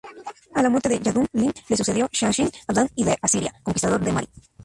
A la muerte de Yahdun-Lim le sucedió Shamshi-Adad I de Asiria, conquistador de Mari.